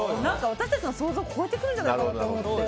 私たちの想像を超えてくるんじゃないかって。